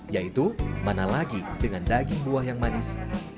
yaitu mana lagi dengan daging buah yang manis